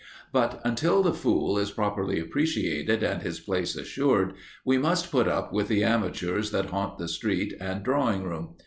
But, until the fool is properly appreciated and his place assured, we must put up with the amateurs that haunt the street and drawing room.